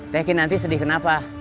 tekin nanti sedih kenapa